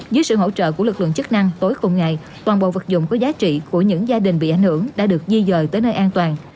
dưới sự hỗ trợ của lực lượng chức năng tối cùng ngày toàn bộ vật dụng có giá trị của những gia đình bị ảnh hưởng đã được di dời tới nơi an toàn